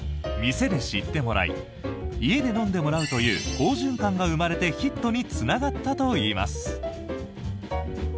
店で知ってもらい家で飲んでもらうという好循環が生まれてヒットにつながったといいます。